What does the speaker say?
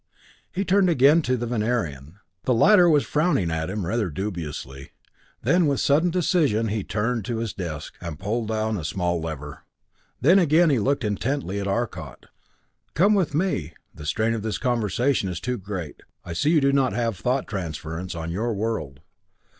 He turned again to the Venerian. The latter was frowning at him rather dubiously. With sudden decision he turned to his desk, and pulled down a small lever. Then again he looked intently at Arcot. "Come with me the strain of this conversation is too great I see you do not have thought transference on your world."